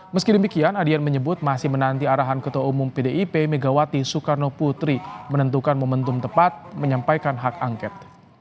meski demikian adian menyebut masih menanti arahan ketua umum pdip megawati soekarno putri menentukan momentum tepat menyampaikan hak angket